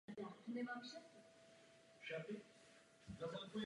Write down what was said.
Většinou jsou ledovcového původu.